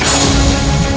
kepada epokan gunung ciremai